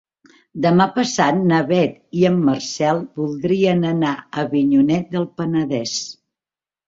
Demà passat na Beth i en Marcel voldrien anar a Avinyonet del Penedès.